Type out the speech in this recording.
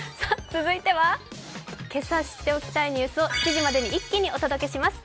続いては、けさ知っておきたいニュースを７時までに一気にお届けします。